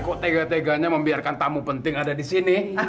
kok tega teganya membiarkan tamu penting ada di sini